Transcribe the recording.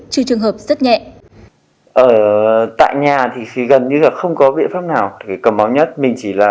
trừ trường hợp rất nhẹ